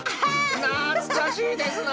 懐かしいですな！］